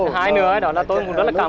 hai nửa đó là công tác an ninh an toàn